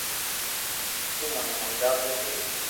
تو مني ھمجاو تو سھي